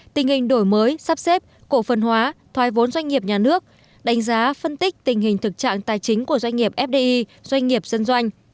tình hình đổi mới sắp xếp cổ phần hóa thoái vốn doanh nghiệp nhà nước đánh giá phân tích tình hình thực trạng tài chính của doanh nghiệp fdi doanh nghiệp dân doanh